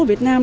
ở việt nam